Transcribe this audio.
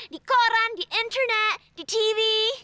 di koran di internet di tv